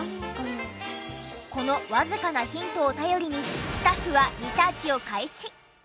このわずかなヒントを頼りにスタッフはリサーチを開始。